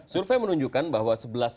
survei menunjukkan bahwa